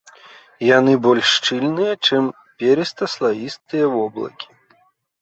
Яны больш шчыльныя, чым перыста-слаістыя воблакі.